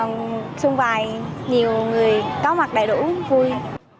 trong ngày tết là chung vài nhiều người có mặt đầy đủ vui